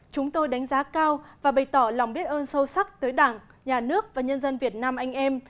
chúng tôi đánh giá cao và bày tỏ lòng biết ơn sâu sắc tới đảng nhà nước và nhân dân việt nam anh em